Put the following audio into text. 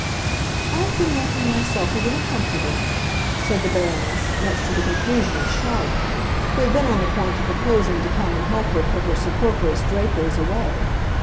"I have been making myself a little comfortable," said the Baroness, much to the confusion of Charlotte, who had been on the point of proposing to come and help her put her superfluous draperies away.